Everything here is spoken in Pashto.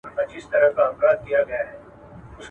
په خوب کي هر څوک بېرېږي، څوک حال وايي، څوک ئې نه وايي.